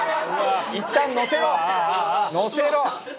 「いったんのせろ！のせろ！」